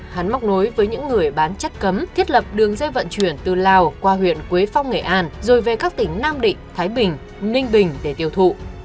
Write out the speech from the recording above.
hắn móc nối với những người bán chất cấm thiết lập đường dây vận chuyển từ lào qua huyện quế phong nghệ an rồi về các tỉnh nam định thái bình ninh bình để tiêu thụ